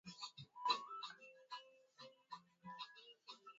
Ba chefu ya mukini bana lombesha ule ana shimamiya haki ya ba mama